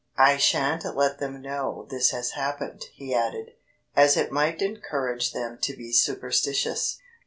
I shan't let them know this has happened," he added, "as it might encourage them to be superstitious."